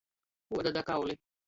Uoda da kauli.